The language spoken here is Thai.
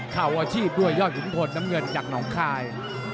เข้าอาชีพด้วยยอดขุนพลน้ำเงินจากหนองคาย